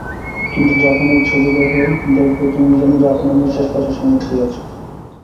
কিন্তু জাপানের ছবি দেখো, দেখবে, তুমি যেন জাপানের নিঃশ্বাস-প্রশ্বাসের মধ্যেই আছ।